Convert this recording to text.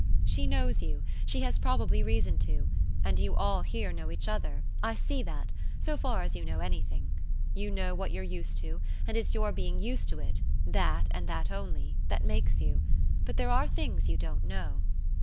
She knows you. She has probably reason to. And you all here know each other I see that so far as you know anything. You know what you're used to, and it's your being used to it that, and that only that makes you. But there are things you don't know."